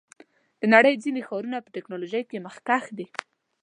د نړۍ ځینې ښارونه په ټیکنالوژۍ کې مخکښ دي.